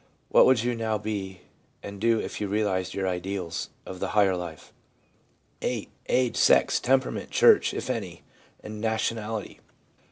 What would you now be and do if you realised your ideals of the higher life ? 'VIII. Age, sex, temperament, church (if any), and nationality.'